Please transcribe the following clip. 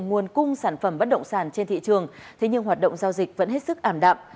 nguồn cung sản phẩm bất động sản trên thị trường thế nhưng hoạt động giao dịch vẫn hết sức ảm đạm